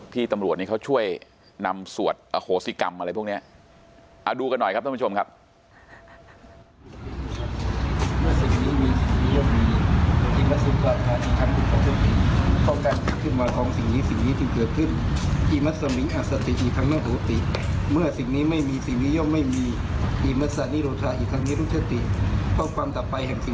ที่ตำรวจเขาช่วยนำสวดอโหสิกรรมอะไรพวกนี้ดูกันหน่อยครับท่านผู้ชมครับ